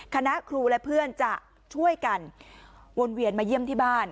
คณะครูและเพื่อนจะช่วยกันวนเวียนมาเยี่ยมที่บ้าน